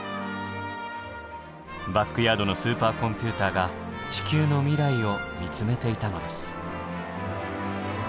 バックヤードのスーパーコンピューターが地球の未来を見つめていたのです。